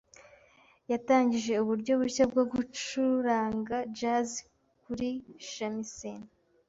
Yatangije uburyo bushya bwo gucuranga jazz kuri shamisen.